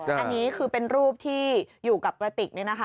อันนี้คือเป็นรูปที่อยู่กับประติกนี่นะคะ